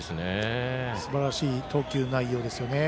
すばらしい投球内容ですよね。